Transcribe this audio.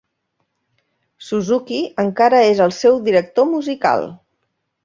Suzuki encara és el seu director musical.